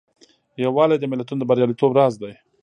یووالی د ملتونو د بریالیتوب راز دی.